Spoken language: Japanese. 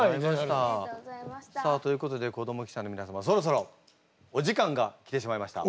さあということで子ども記者のみなさまそろそろお時間が来てしまいました。